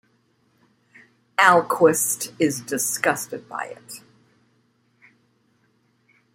Alquist is disgusted by it.